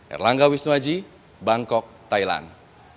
erlangga wisnuaji bangkok thailand